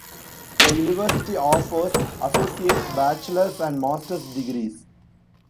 The university offers associate, bachelor's, and master's degrees.